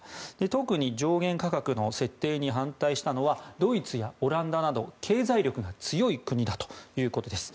特に上限価格の設定に反対したのはドイツやオランダなど経済力が強い国だということです。